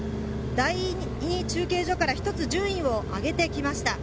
第２中継所から１つ順位を上げてきました。